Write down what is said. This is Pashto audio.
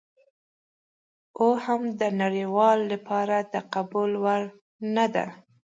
او هم د نړیوالو لپاره د قبول وړ نه ده.